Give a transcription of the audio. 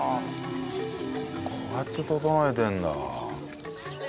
こうやって整えてるんだ。